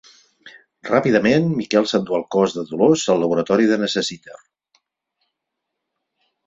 Ràpidament Miquel s'endú el cos de Dolors al laboratori de Necessiter.